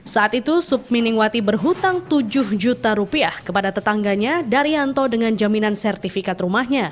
saat itu subminingwati berhutang tujuh juta rupiah kepada tetangganya daryanto dengan jaminan sertifikat rumahnya